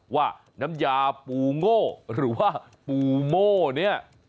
ว่าน้ำยาปูโง่หรือว่าปูโม่เนี่ย